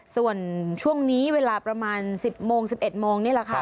ส่วนช่วงนี้เวลาประมาณ๑๐โมง๑๑โมงนี่แหละค่ะ